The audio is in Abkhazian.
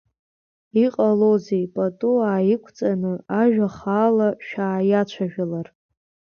Иҟалози, пату ааиқәҵаны, ажәа хаала шәааицәажәалар?